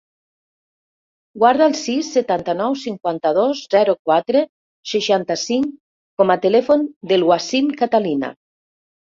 Guarda el sis, setanta-nou, cinquanta-dos, zero, quatre, seixanta-cinc com a telèfon del Wasim Catalina.